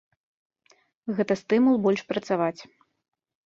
Гэта стымул больш працаваць.